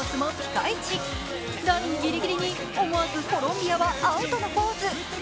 ラインギリギリに思わずコロンビアもアウトのポーズ。